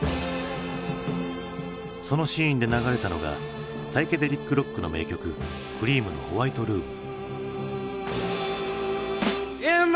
そのシーンで流れたのがサイケデリック・ロックの名曲クリームの「ＷｈｉｔｅＲｏｏｍ」。